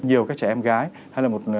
nhiều các trẻ em gái hay là một